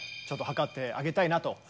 ちょっとはかってあげたいなと。